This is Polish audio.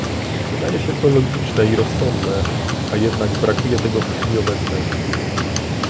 Wydaje się to logiczne i rozsądne, a jednak brakuje tego w chwili obecnej